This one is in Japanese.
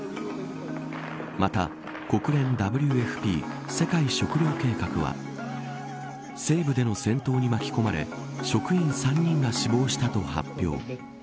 また国連ＷＦＰ世界食糧計画は西部での戦闘に巻き込まれ職員３人が死亡したと発表。